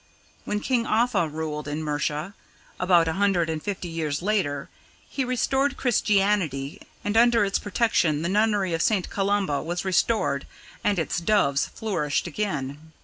When King Offa ruled in Mercia, about a hundred and fifty years later, he restored Christianity, and under its protection the nunnery of St. Columba was restored and its doves flourished again.